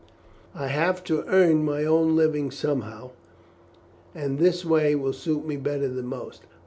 "I have to earn my own living somehow, and this way will suit me better than most.